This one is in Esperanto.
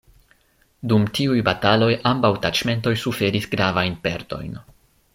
Dum tiuj bataloj ambaŭ taĉmentoj suferis gravajn perdojn.